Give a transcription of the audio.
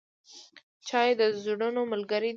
چای د زړونو ملګری دی.